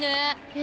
え？